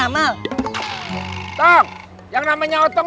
apa itu yang bukan alat ini